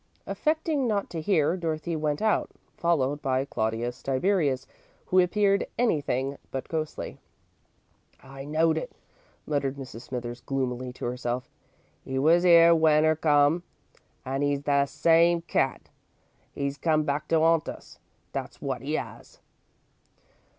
Affecting not to hear, Dorothy went out, followed by Claudius Tiberius, who appeared anything but ghostly. "I knowed it," muttered Mrs. Smithers, gloomily, to herself. "'E was 'ere w'en 'er come, and 'e's the same cat. 'E's come back to 'aunt us, that's wot 'e 'as!"